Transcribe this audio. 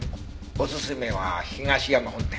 おすすめは東山本店。